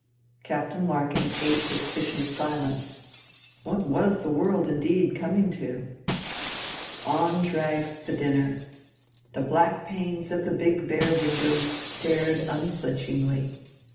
Captain Larkin ate his fish in silence. What was the world indeed coming to ? On dragged the dinner. The black panes of the big bare windows stared unflinchingly.